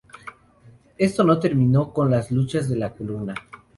Esto no terminó con las luchas de la Columna.